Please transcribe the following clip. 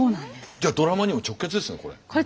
じゃドラマにも直結ですねこれ。